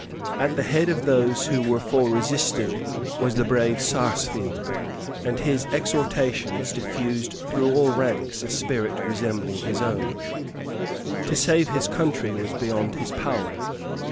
At the head of those who were for resisting was the brave Sarsfield; and his exhortations diffused through all ranks a spirit resembling his own. To save his country was beyond his power.